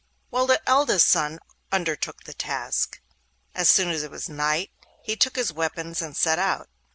Well, the eldest son undertook the task. As soon as it was night, he took his weapons and set out.